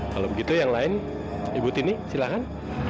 kalau begitu yang lain ibu tini silahkan